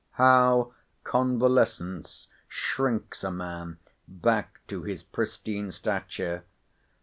How convalescence shrinks a man back to his pristine stature!